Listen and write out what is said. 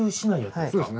そうですね。